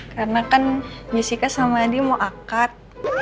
karena kan jessica sama andi mau akad